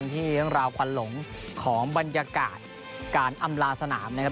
ที่เรื่องราวควันหลงของบรรยากาศการอำลาสนามนะครับ